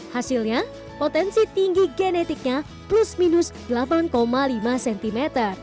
hasilnya potensi tinggi genetiknya plus minus delapan lima cm